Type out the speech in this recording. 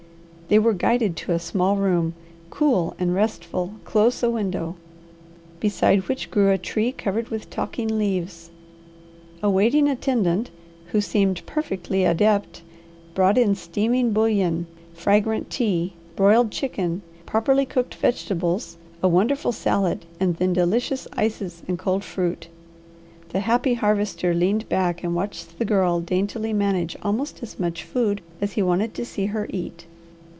They were guided to a small room, cool and restful, close a window, beside which grew a tree covered with talking leaves. A waiting attendant, who seemed perfectly adept, brought in steaming bouillon, fragrant tea, broiled chicken, properly cooked vegetables, a wonderful salad, and then delicious ices and cold fruit. The happy Harvester leaned back and watched the Girl daintily manage almost as much food as he wanted to see her eat.